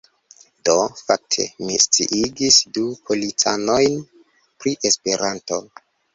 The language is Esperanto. Do, fakte, mi sciigis du policanojn pri Esperanto